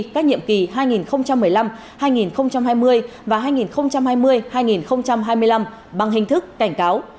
các nhiệm kỳ hai nghìn một mươi năm hai nghìn hai mươi và hai nghìn hai mươi hai nghìn hai mươi năm bằng hình thức cảnh cáo